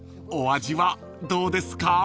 お味はどうですか？］